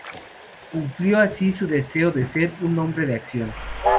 Cumplió así su deseo de ser un hombre de acción.